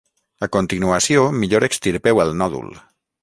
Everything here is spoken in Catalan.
A continuació, millor extirpeu el nòdul.